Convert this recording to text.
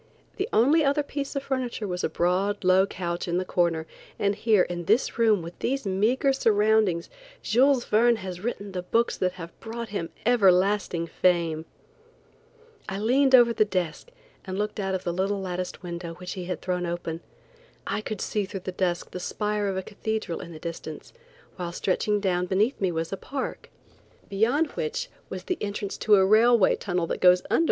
The only other piece of furniture was a broad, low couch in the corner, and here in this room with these meagre surroundings, Jules Verne has written the books that have brought him everlasting fame. I leaned over the desk and looked out of the little latticed window which he had thrown open. I could see through the dusk the spire of a cathedral in the distance, while stretching down beneath me was a park, beyond which I saw the entrance to a railway tunnel that goes under M.